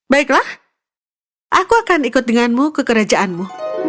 baiklah aku akan ikut denganmu ke kerajaanmu